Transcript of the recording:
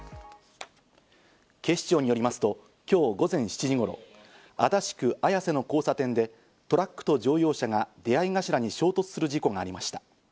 警視庁によりますと今日午前７時頃、足立区綾瀬の交差点でトラックと乗用車が出合い頭に衝突する事故がありました。